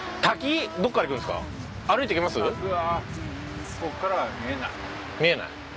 滝はここからは見えない。